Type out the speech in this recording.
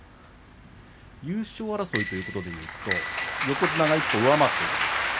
優勝争いということでいうと横綱が一歩上回っています。